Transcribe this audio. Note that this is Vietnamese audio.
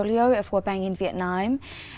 người dân việt nam